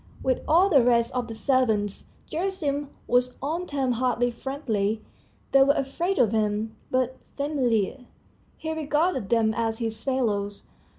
With all the rest of the servants, Gerasim was on terms hardly friendly they were afraid of him but familiar; he regarded them as his fellows.